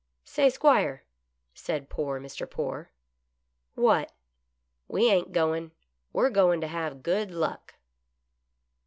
" Say, 'Squire," said poor Mr. Poore. " What "" We ain't goin'. We're goin' to have good luck."